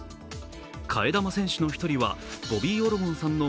替え玉選手の１人はボビー・オロゴンさんの